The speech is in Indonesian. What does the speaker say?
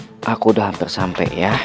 oh aku udah hampir sampai ya